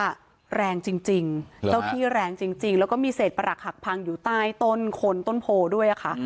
แรงจริงเจ้าที่แรงจริงแล้วก็มีเศษประหลักหักพังอยู่ใต้ต้นคนต้นโพด้วยค่ะ